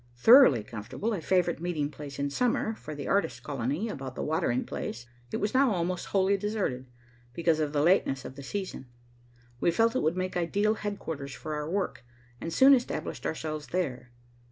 Thoroughly comfortable, a favorite meeting place in summer for the artist colony about the watering place, it was now almost wholly deserted, because of the lateness of the season. We felt it would make ideal headquarters for our work, and soon established ourselves there.